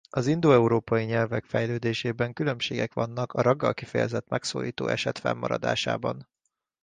Az indoeurópai nyelvek fejlődésében különbségek vannak a raggal kifejezett megszólító eset fennmaradásában.